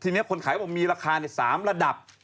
ทีนี้คนขายบอกมีราคาใน๓ระดับ